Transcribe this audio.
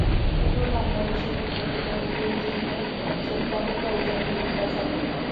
এবার বাংলাদেশের বিপক্ষে ম্যাচ দিয়েই দীর্ঘ অপেক্ষা ঘোচানোর সুযোগ তাঁর সামনে।